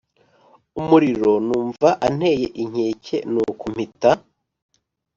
Umuriro numva anteye inkeke nuko mpita